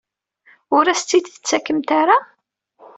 Ur as-tt-id-tettakemt ara?